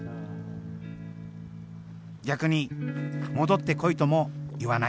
逆に戻ってこいとも言わない。